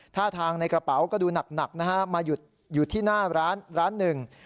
ท่าทางในกระเป๋าก็ดูหนักนะฮะมาอยู่ที่หน้าร้านร้านหนึ่ง